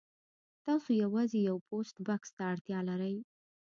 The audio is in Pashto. تاسو یوازې یو پوسټ بکس ته اړتیا لرئ